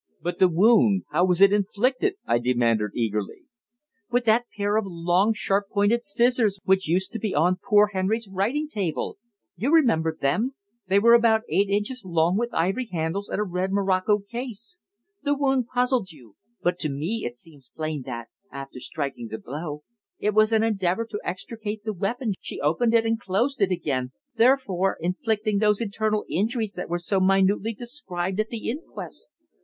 "But the wound how was it inflicted?" I demanded eagerly. "With that pair of long, sharp pointed scissors which used to be on poor Henry's writing table. You remember them. They were about eight inches long, with ivory handles and a red morocco case. The wound puzzled you, but to me it seems plain that, after striking the blow, in an endeavour to extricate the weapon she opened it and closed it again, thereby inflicting those internal injuries that were so minutely described at the inquest.